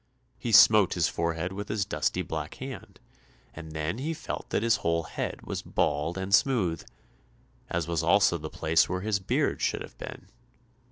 He smote his forehead with his dusty black hand, and then he felt that his whole head was bald and smooth, as was also the place where his beard should have been.